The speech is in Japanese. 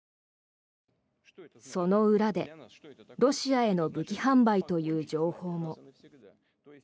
その裏で、ロシアへの武器販売という情報も。